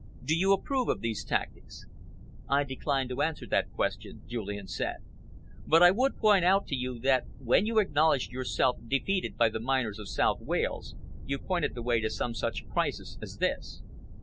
Do you approve of these tactics?" "I decline to answer that question," Julian said, "but I would point out to you that when you acknowledged yourself defeated by the miners of South Wales, you pointed the way to some such crisis as this."